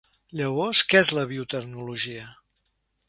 Llavors, què és la biotecnologia?